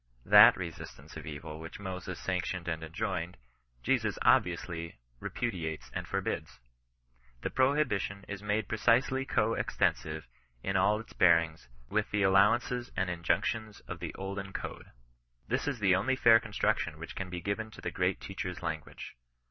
Thai resistance of evil which Moses sanctioned and enjoined, Jesus obvi ously repudiates and forbids. The prohibition is made precisely co extensive in all its bearmgs with the allow 24 GHEIBTIAN NOH BBSISTANOB. anees and injunctions of the Olden Code. This is the only fair construction which can he given to the great Teacher's language.